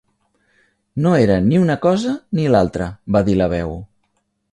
"No era ni una cosa ni l'altra", va dir la veu.